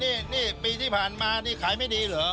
นี่นี่ปีที่ผ่านมานี่ขายไม่ดีเหรอ